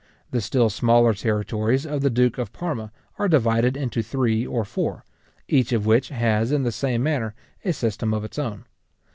The still smaller territories of the duke of Parma are divided into three or four, each of which has, in the same manner, a system of its own.